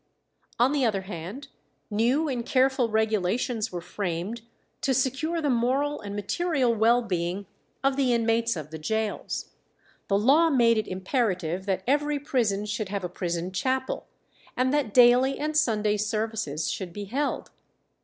On the other hand, new and careful regulations were framed to secure the moral and material well being of the inmates of the gaols. The law made it imperative that every prison should have a prison chapel, and that daily and Sunday services should be held.